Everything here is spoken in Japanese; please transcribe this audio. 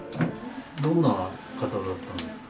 どんな方だったんですか？